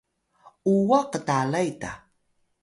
uwah ktalay ta